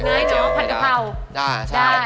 ง่ายเนอะผัดกะเพรา